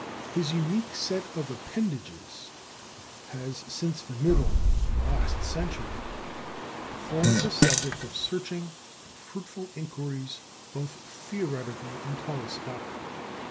His unique set of appendages has, since the middle of the last century, formed the subject of searching and fruitful inquiries, both theoretical and telescopic.